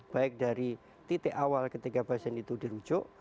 baik dari titik awal ketika pasien itu dirujuk